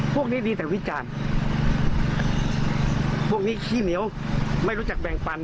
พวกนี้ดีแต่วิจารณ์พวกนี้ขี้เหนียวไม่รู้จักแบ่งปัน